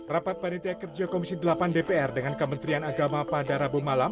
rapat panitia kerja komisi delapan dpr dengan kementerian agama pahdara bumalam